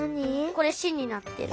これ「し」になってる。